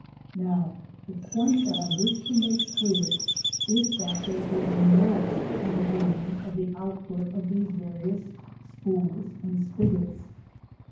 Now the point that I wish to make clear is that there is no interweaving of the output of these various spools and spigots.